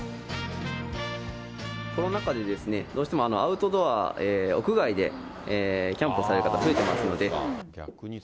コロナ禍で、どうしてもアウトドア、屋外でキャンプされる方、増えてますので。